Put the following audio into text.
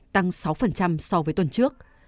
tăng sáu so với tuần trước